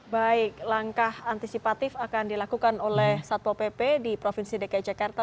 baik langkah antisipatif akan dilakukan oleh satpol pp di provinsi dki jakarta